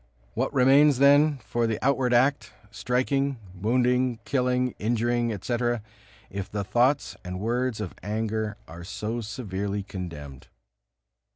What remains then for the outward act, striking, wounding, killing, injuring, etc., if the thoughts and words of anger are so severely condemned?